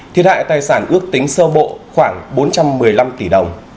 thiệt hại tài sản ước tính sơ bộ khoảng bốn trăm một mươi năm tỷ đồng